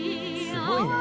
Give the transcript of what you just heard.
すごいね。